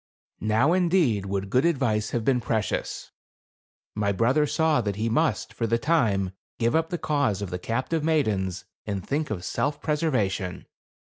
Now, indeed, would good advice have been precious. My brother saw that he must, for the time, give up the cause of the captive maidens, and think of self preservation.